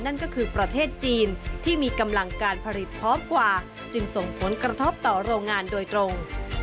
นั่นก็คือประเทศจีนที่มีกำลังการผลิตพร้อมกว่าจึงส่งผลกระทบต่อโรงงานโดยตรง